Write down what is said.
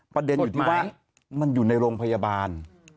ประเด็นอยู่ที่ว่ามันอยู่ในโรงพยาบาล